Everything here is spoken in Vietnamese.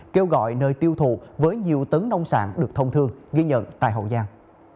kêu gọi nơi tiêu thụ với nhiều tấn nông sản được thông thương ghi nhận tại hậu giang